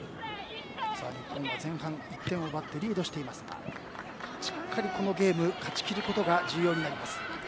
日本は前半１点を奪ってリードしていますがしっかり、このゲーム勝ちきることが重要になります。